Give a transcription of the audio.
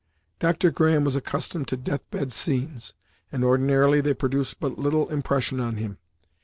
Dr. Graham was accustomed to death bed scenes, and ordinarily they produced but little impression on him.